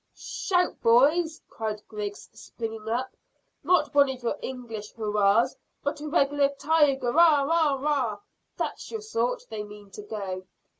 "Shout, boys," cried Griggs, springing up. "Not one of your English hoo roars, but a regular tiger ragh ragh ragh! That's your sort. They mean to go."